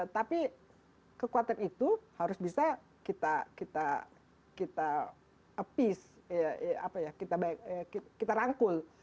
tapi kekuatan itu harus bisa kita apeace kita rangkul